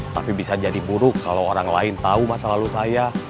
tapi bisa jadi buruk kalau orang lain tahu masa lalu saya